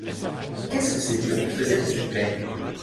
Qu’est-ce que ces lions faisaient dans cette plaine ?